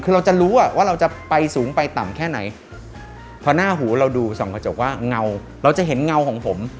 คือเราจะรู้ว่าเราจะไปสูงไปต่ำแค่ไหนพอหน้าหูเราดูส่องกระจกว่าเงาเราจะเห็นเงาของผม